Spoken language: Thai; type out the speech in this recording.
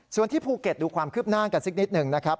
ส่วนที่ภูเก็ตดูความคืบหน้ากันสักนิดหนึ่งนะครับ